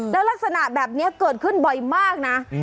แล้วลักษณะแบบนี้เกิดขึ้นบ่อยมากนะ